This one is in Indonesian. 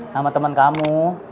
nama temen kamu